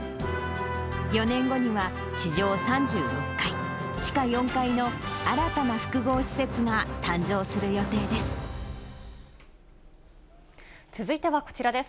４年後には、地上３６階、地下４階の新たな複合施設が誕生する予定です。